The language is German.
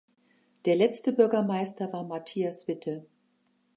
Der letzte Bürgermeister war Matthias Witte.